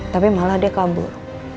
tapi malah dia kabur